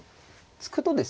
突くとですね